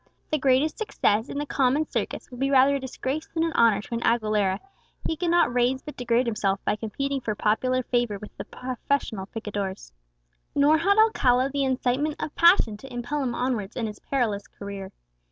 The greatest success in the common circus would be rather a disgrace than an honour to an Aguilera; he could not raise but degrade himself by competing for popular favour with professional picadors. Nor had Alcala the incitement of passion to impel him onwards in his perilous career.